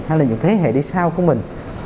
hay là những thế hệ đi sau của mình